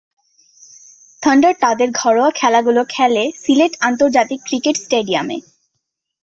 Thunder তাদের ঘরোয়া খেলাগুলো খেলে সিলেট আন্তর্জাতিক ক্রিকেট স্টেডিয়ামে।